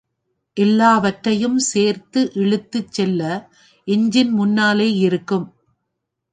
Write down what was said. எல்லாவற்றையும் சேர்த்து இழுத்துச் செல்ல எஞ்சின் முன்னாலே இருக்கும்.